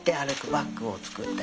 バッグを作ったり。